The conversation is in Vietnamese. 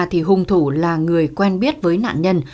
thì hung thủ là người quen biết với nạn nhân